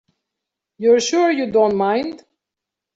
You're sure you don't mind?